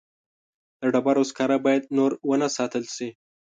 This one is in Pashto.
د ډبرو سکاره باید نور ونه ساتل شي.